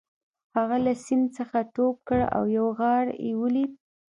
هغه له سیند څخه ټوپ کړ او یو غار یې ولید